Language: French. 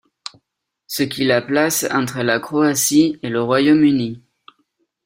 Ce qui la place entre la Croatie et le Royaume-Uni.